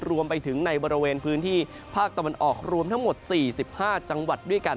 รวมไปถึงในบริเวณพื้นที่ภาคตะวันออกรวมทั้งหมด๔๕จังหวัดด้วยกัน